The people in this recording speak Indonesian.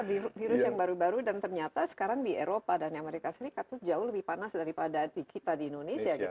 virus yang baru baru dan ternyata sekarang di eropa dan amerika serikat itu jauh lebih panas daripada kita di indonesia gitu